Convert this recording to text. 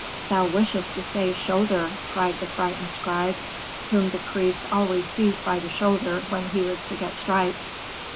"'Thou wishest to say shoulder,' cried the frightened scribe, whom the priest always seized by the shoulder when he was to get stripes.